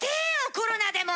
コロナでも！